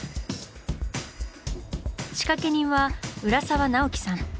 仕掛け人は浦沢直樹さん。